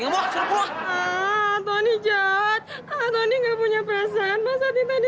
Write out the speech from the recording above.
nggak punya perasaan